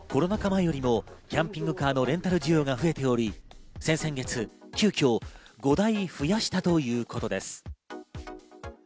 前よりもキャンピングカーのレンタル需要が増えており、先月急きょ５台増やしたということです。